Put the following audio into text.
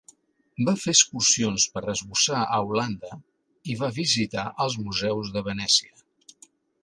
Va fer excursions per esbossar a Holanda i va visitar els museus de Venècia.